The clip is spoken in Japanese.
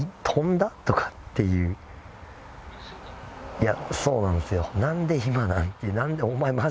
いやそうなんすよ。